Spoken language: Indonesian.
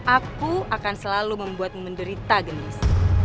aku akan selalu membuat menderita gendis